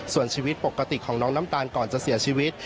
ส่วนชีวิตปกติของน้องน้ำตาลก่อนจะเสียชีวิต